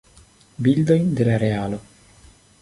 Bildojn de la realo.